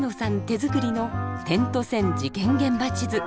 手作りの「点と線」事件現場地図。